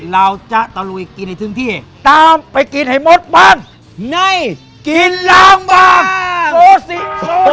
เราจะตะลุยกินให้ถึงที่ตามไปกินให้หมดบ้านในกินล้างบางโกสิ